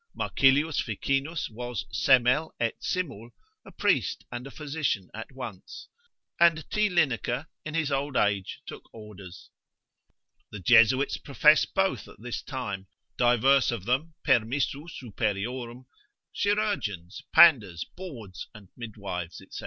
Marcilius Ficinus was semel et simul; a priest and a physician at once, and T. Linacer in his old age took orders. The Jesuits profess both at this time, divers of them permissu superiorum, chirurgeons, panders, bawds, and midwives, &c.